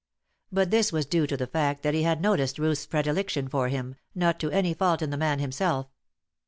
But this was due to the fact that he had noticed Ruth's predilection for him, not to any fault in the man himself.